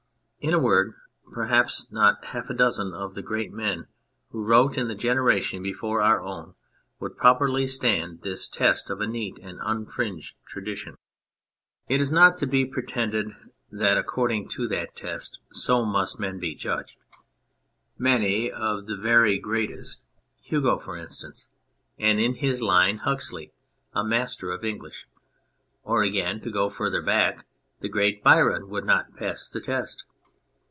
In a word, perhaps not half a dozen of the great men who wrote in the generation before our own would properly stand this test of a neat and unfringed tradition. It is not to 149 On Anything be pretended that according to that test so must men be judged. Many of the very greatest, Hugo for instance, and in his line, Huxley (a master of English) ; or, again, to go further back, the great Byron, would not pass the test.